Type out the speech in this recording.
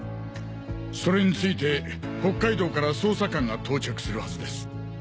それについて北海道から捜査官が到着するはずです。